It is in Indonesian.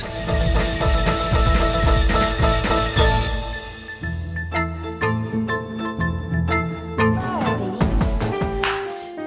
oop kita langsung ke rumah nih